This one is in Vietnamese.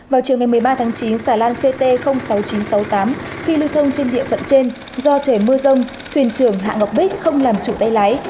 vào chiều ngày một mươi ba tháng chín xà lan ct sáu nghìn chín trăm sáu mươi tám khi lưu thông trên địa phận trên do trời mưa rông thuyền trưởng hạ ngọc bích không làm chủ tay lái